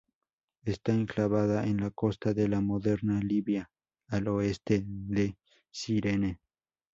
Está enclavada en la costa de la moderna Libia, al oeste de Cirene.